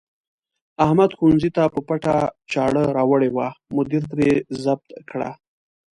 احمد ښوونځي ته په پټه چاړه راوړې وه، مدیر ترې ضبط کړه.